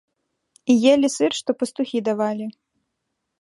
І елі сыр, што пастухі давалі.